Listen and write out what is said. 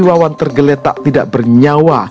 wawan tergeletak tidak bernyawa